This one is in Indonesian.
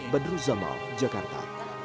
badru zamal jakarta